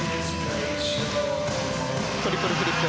トリプルフリップ。